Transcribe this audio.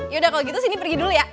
yaudah kalau gitu sini pergi dulu ya